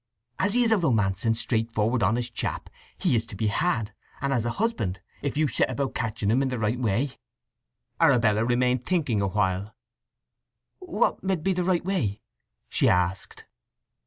"As he is a romancing, straightfor'ard, honest chap, he's to be had, and as a husband, if you set about catching him in the right way." Arabella remained thinking awhile. "What med be the right way?" she asked.